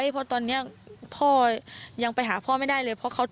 เพราะตอนนี้พ่อยังไปหาพ่อไม่ได้เลย